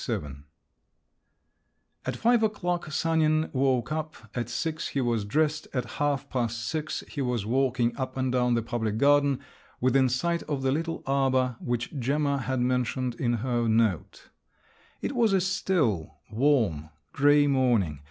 XXVII At five o'clock Sanin woke up, at six he was dressed, at half past six he was walking up and down the public garden within sight of the little arbour which Gemma had mentioned in her note. It was a still, warm, grey morning.